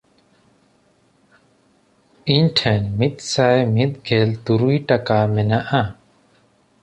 ᱤᱧ ᱴᱷᱮᱱ ᱢᱤᱫᱥᱟᱭ ᱢᱤᱫᱜᱮᱞ ᱛᱩᱨᱩᱭ ᱴᱟᱠᱟ ᱢᱮᱱᱟᱜᱼᱟ᱾